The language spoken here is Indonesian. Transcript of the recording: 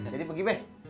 jadi pergi be